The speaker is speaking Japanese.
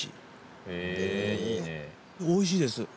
おいしいです。